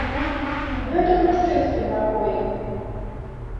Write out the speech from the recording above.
Гэта ў мужчынскім пакоі.